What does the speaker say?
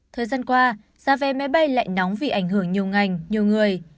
thời gian qua giá vé máy bay lại nóng vì ảnh hưởng nhiều ngành nhiều người